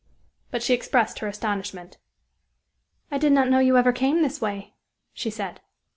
But she expressed her astonishment. "I did not know you ever came this way," she said.